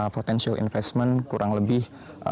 potential investment kurang lebih